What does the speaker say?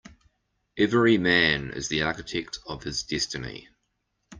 Every man is the architect of his destiny.